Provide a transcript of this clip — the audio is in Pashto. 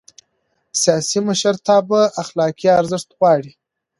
سیاسي مشرتابه اخلاقي ارزښت غواړي